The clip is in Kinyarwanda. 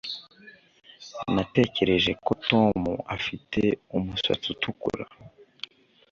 Natekereje ko Tom afite umusatsi utukura